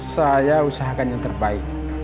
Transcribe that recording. saya usahakan yang terbaik